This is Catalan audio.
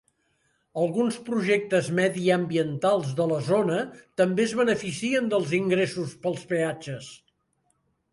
Alguns projectes mediambientals de la zona també es beneficien dels ingressos pels peatges.